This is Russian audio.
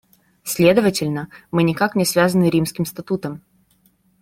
Следовательно, мы никак не связаны Римским статутом.